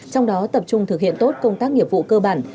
trong đó tập trung thực hiện tốt công tác nghiệp vụ cơ bản